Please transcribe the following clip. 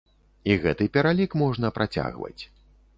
І гэты пералік можна працягваць.